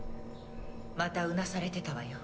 またうなされてたわよ。